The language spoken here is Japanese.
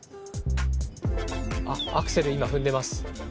アクセル今踏んでます。